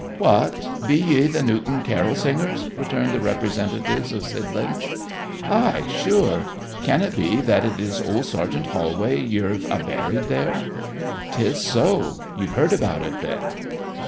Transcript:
'What be you the Newton carol singers?' returned the representatives of Sidlinch. 'Ay, sure. Can it be that it is old Sergeant Holway you've a buried there?' ''Tis so. You've heard about it, then?'